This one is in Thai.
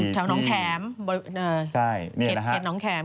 ประกอบเจ็บห้องแขม